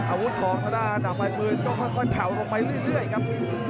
อาวุธของพระนาตาดาบมือมือก็ค่อยแผ่วลงไปเรื่อยครับ